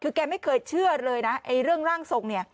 คือแกไม่เคยเชื่อเลยนะไอ้เรื่องร่างทรงเนี่ย